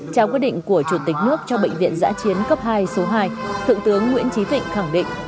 trong quy định của chủ tịch nước cho bệnh viện giã chiến cấp hai số hai thượng tướng nguyễn trí vĩnh khẳng định